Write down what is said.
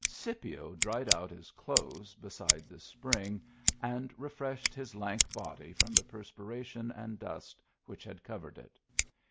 Scipio dried out his clothes beside the spring, and refreshed his lank body from the perspiration and dust which had covered it.